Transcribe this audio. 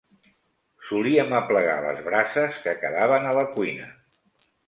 Solíem aplegar les brases que quedaven a la cuina